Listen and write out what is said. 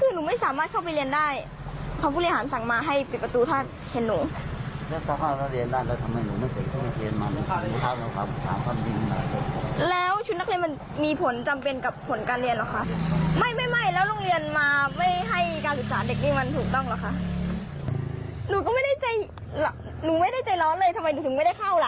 หนูไม่ได้ใจร้อนเลยทำไมหนูถึงไม่ได้เข้าล่ะ